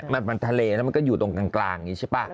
มันทะเลแล้วมันก็อยู่ตรงกลางใช่ปะ